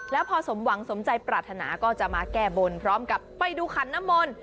แล้วพอสมหวังสมใจปรารถนาก็จะมาแก้บนพร้อมกับไปดูขันน้ำมนต์